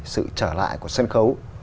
sự trở lại của sân khấu